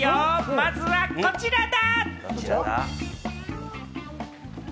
まずはこちらだ！